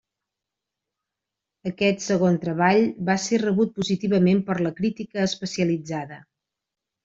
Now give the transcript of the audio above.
Aquest segon treball va ser rebut positivament per la crítica especialitzada.